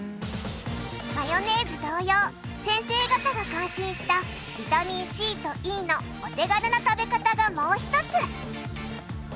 マヨネーズ同様先生方が監修したビタミンＣとＥのお手軽な食べ方がもう一つ！